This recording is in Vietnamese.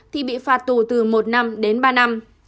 thì bị phạt tù từ một năm đến ba năm